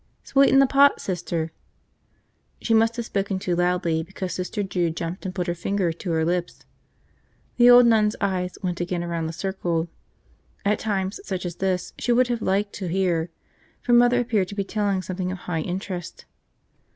"Sweeten the pot, Sister." She must have spoken too loudly because Sister Jude jumped and put her finger to her lips. The old nun's eyes went again around the circle. At times such as this she would have liked to hear, for Mother appeared to be telling something of high interest.